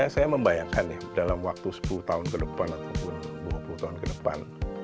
saya membayangkan ya dalam waktu sepuluh tahun ke depan ataupun dua puluh tahun ke depan